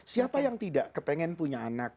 siapa yang tidak kepengen punya anak